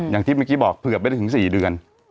อย่างที่เมื่อกี้บอกเผื่อไม่ได้ถึง๔เดือน